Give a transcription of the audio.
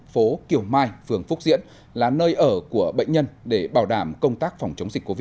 phố kiều mai phường phúc diễn là nơi ở của bệnh nhân để bảo đảm công tác phòng chống dịch covid một mươi